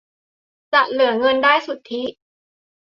จะเหลือเงินได้สุทธิ